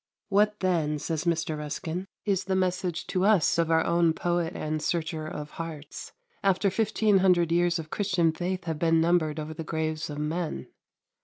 "What then," says Mr. Ruskin, "is the message to us of our own poet and searcher of hearts, after fifteen hundred years of Christian faith have been numbered over the graves of men?